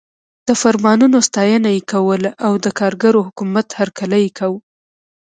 د فرمانونو ستاینه یې کوله او د کارګرو حکومت هرکلی یې کاوه.